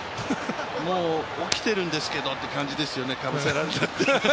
もう起きてるんですけどって感じですけどね、かぶせられて。